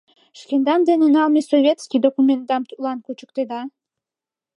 Шкендан дене налме «советский» документдам тудлан кучыктеда.